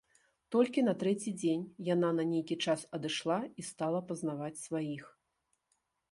Толькі на трэці дзень яна на нейкі час адышла і стала пазнаваць сваіх.